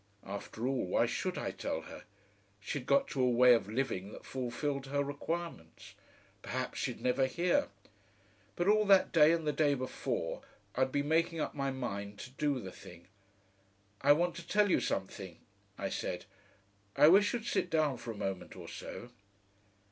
After all, why should I tell her? She'd got to a way of living that fulfilled her requirements. Perhaps she'd never hear. But all that day and the day before I'd been making up my mind to do the thing. "I want to tell you something," I said. "I wish you'd sit down for a moment or so."...